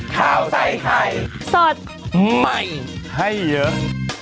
ข้าวใส่ไข่สดใหม่ให้เยอะ